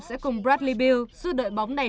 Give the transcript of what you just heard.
sẽ cùng bradley bill suốt đợi bóng này